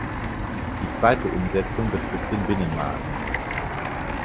Die zweite Umsetzung betrifft den Binnenmarkt.